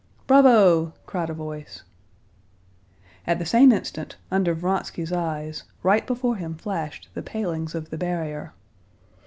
"Bravo!" cried a voice. At the same instant, under Vronsky's eyes, right before him flashed the palings of the barrier.